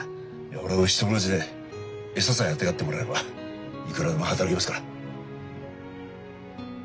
俺は牛と同じで餌さえあてがってもらえればいくらでも働きますから。